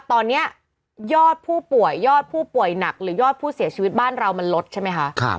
ตอนนี้ยอดผู้ป่วยยอดผู้ป่วยหนักหรือยอดผู้เสียชีวิตบ้านเรามันลดใช่ไหมคะ